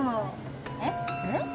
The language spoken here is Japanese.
えっ？えっ？